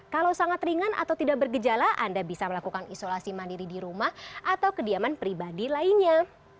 kalau sangat ringan atau tidak bergejala anda bisa melakukan isolasi mandiri di rumah atau kediaman pribadi lainnya